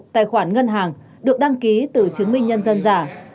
tài khoản ngân hàng được đăng ký từ chứng minh nhân dân giả